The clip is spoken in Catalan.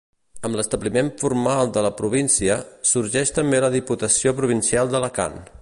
Amb l'establiment formal de la província, sorgeix també la Diputació Provincial d'Alacant.